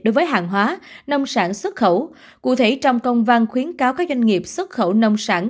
đối với hàng hóa nông sản xuất khẩu cụ thể trong công vang khuyến cáo các doanh nghiệp xuất khẩu nông sản